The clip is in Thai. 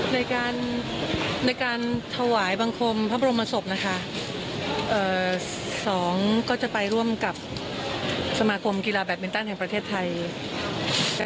ในการในการถวายบังคมพระบรมศพนะคะสองก็จะไปร่วมกับสมาคมกีฬาแบตมินตันแห่งประเทศไทย